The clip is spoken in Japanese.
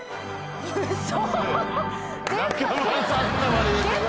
ウソ！